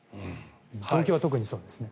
東京は特にそうですね。